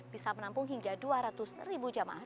bisa menampung hingga dua ratus ribu jamaah